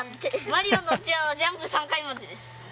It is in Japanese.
マリオのおっちゃんはジャンプ３回までです。